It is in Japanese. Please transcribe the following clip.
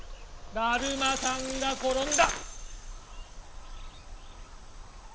だるまさんがころんだ！